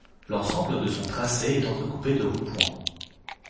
L'ensemble de son tracé est entrecoupé de ronds-points.